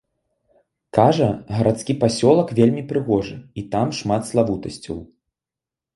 Кажа, гарадскі пасёлак вельмі прыгожы, і там шмат славутасцяў.